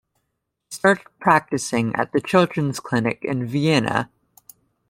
He started practicing at the Children's Clinic in Vienna.